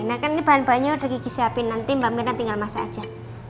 nah kan ini bahan bahannya udah gigi siapin nanti mbak mina tinggal masak aja